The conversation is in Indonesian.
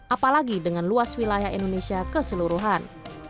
apalagi dengan luas wilayah indonesia keseluruhan